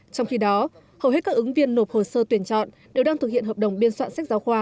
trong khi đó hầu hết các ứng viên nộp hồ sơ tuyển chọn đều đang thực hiện hợp đồng biên soạn sách giáo khoa